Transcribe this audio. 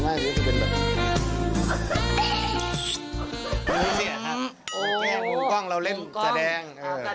แกล้งปุ่งกล้องเราเล่นแสดง